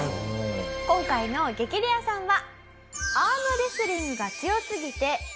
今回の激レアさんは。